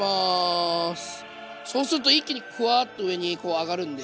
そうすると一気にフワーッと上に上がるんで。